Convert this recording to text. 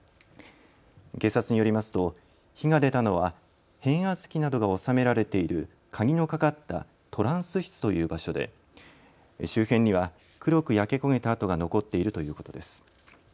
警察によりますと火が出たのは変圧器などが収められている鍵のかかったトランス室という場所で周辺には黒く焼け焦げた跡が残っているということです。